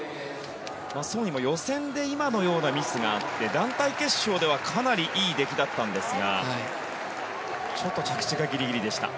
ソン・イは予選で今のようなミスがあって団体決勝ではかなりいい出来だったんですがちょっと着地がギリギリでした。